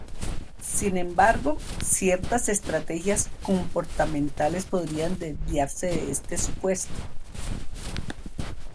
Sin embargo, ciertas estrategias comportamentales podrían desviarse de este supuesto.